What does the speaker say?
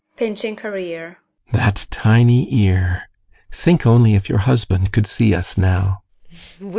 [Pinching her ear] That tiny ear! Think only if your husband could see us now!